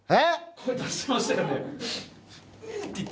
声、出しましたよね。